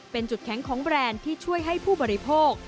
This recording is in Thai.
เป็นจุดแข็งของแบรนด์ที่ช่วยให้ผู้บริโภค